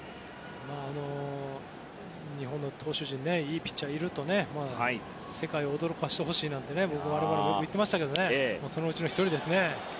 日本の投手陣いいピッチャーがいると世界を驚かせてほしいとよく言っていましたがそのうちの１人ですね。